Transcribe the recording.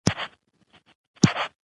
د فرهنګ د يوه جز په توګه ادبيات هم